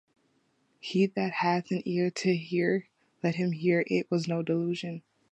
He that hath an ear to hear, let him hear; it was no delusion!